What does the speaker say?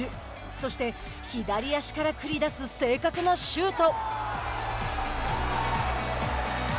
そして、左足から繰り出す正確なシュート。